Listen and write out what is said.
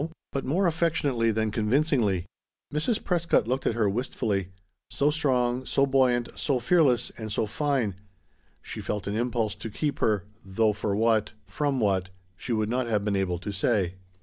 But more affectionately than convincingly. Mrs. Prescott looked at her wistfully: so strong, so buoyant, so fearless and so fine; she felt an impulse to keep her, though for what from what she would not have been able to say.